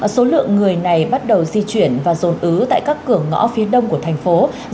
số lượng người này bắt đầu di chuyển và rồn ứ tại các cửa ngõ phía đông của thành phố